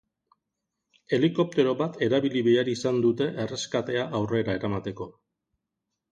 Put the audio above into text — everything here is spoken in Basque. Helikoptero bat erabili behar izan dute erreskatea aurrera eramateko.